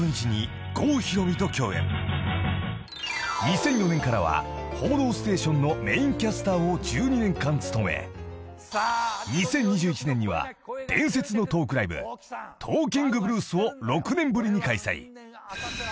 ［２００４年からは『報道ステーション』のメインキャスターを１２年間務め２０２１年には伝説のトークライブ『トーキングブルース』を６年ぶりに開催］